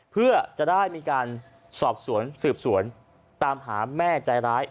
เพื่อจะได้มีการสอบสวนสืบสวนตามหาแม่ใจร้าย